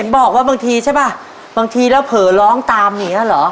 บางทีใช่ป่ะบางทีเราเผลอร้องตามอย่างนี้หรอ